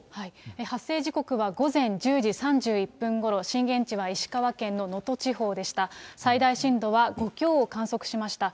発生時刻は午前１０時３１分ごろ、震源地は石川県の能登地方でした。